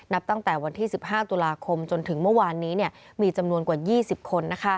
ตั้งแต่วันที่๑๕ตุลาคมจนถึงเมื่อวานนี้มีจำนวนกว่า๒๐คน